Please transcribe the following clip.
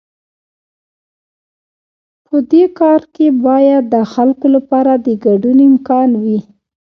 په دې کار کې باید د خلکو لپاره د ګډون امکان وي.